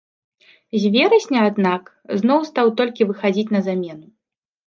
З верасня, аднак, зноў стаў толькі выхадзіць на замену.